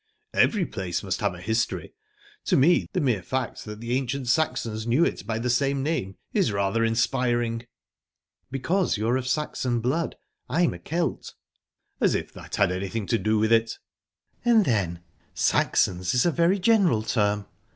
"Every place must have a history. To me, the mere fact that the ancient Saxons knew it by the same name is rather inspiring." "Because you're of Saxon blood. I'm a Celt." "As if that had anything to do with it." "And then, Saxons is a very general term.